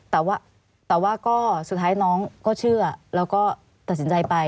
แต่ว่าก็สุดท้ายน้องก็เชื่อแล้วก็ตัดสินใจไป